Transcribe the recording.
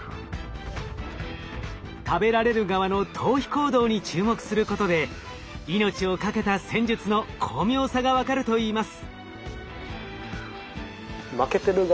食べられる側の逃避行動に注目することで命を懸けた戦術の巧妙さが分かるといいます。